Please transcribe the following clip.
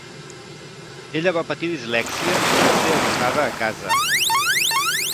Ella va patir dislèxia i va ser educada a casa.